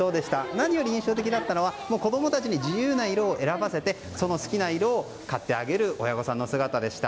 何より印象的だったのが子供たちに自由な色を選ばせてその好きな色を買ってあげる親御さんの姿でした。